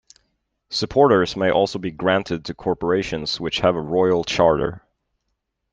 Supporters may also be granted to corporations which have a royal charter.